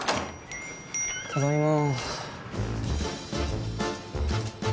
・ただいま。